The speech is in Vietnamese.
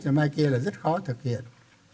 cho ai kia là rất khó thực hiện